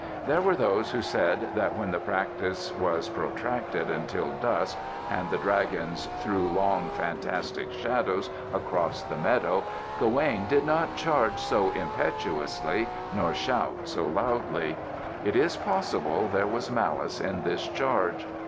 There were those who said that when the practice was protracted until dusk and the dragons threw long, fantastic shadows across the meadow Gawaine did not charge so impetuously nor shout so loudly. It is possible there was malice in this charge.